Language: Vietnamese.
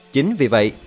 chính vì vậy